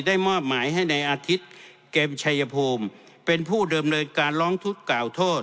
ได้มอบหมายให้ในอาทิตย์เกมชัยภูมิเป็นผู้เดิมเนินการร้องทุกข์กล่าวโทษ